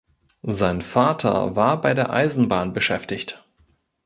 Sein Vater war bei der Eisenbahn beschäftigt.